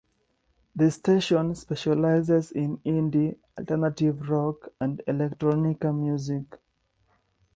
The station, specializes in indie, alternative rock, and electronica music.